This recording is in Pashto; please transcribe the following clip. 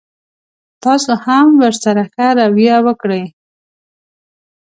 تاسو هم ورسره ښه رويه وکړئ.